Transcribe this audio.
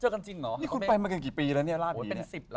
เห้ยไปบ้านผีกันเถอะ